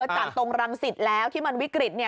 จากตรงรังสิตแล้วที่มันวิกฤตเนี่ย